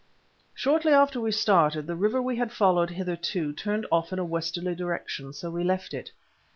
Shortly after we started, the river we had followed hitherto turned off in a westerly direction, so we left it.